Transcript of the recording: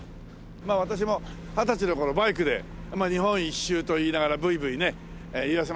まあ私も二十歳の頃バイクで日本一周と言いながらブイブイねいわせました。